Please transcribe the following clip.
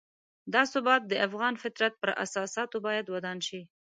دا ثبات د افغان فطرت پر اساساتو باید ودان شي.